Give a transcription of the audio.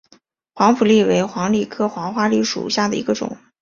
黄花蔺为花蔺科黄花蔺属下的一个种。